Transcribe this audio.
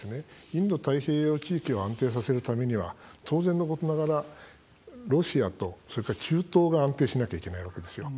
インド太平洋地域を安定させるためには当然のことながらロシアと、それから中東が安定しなきゃいけないわけですよ。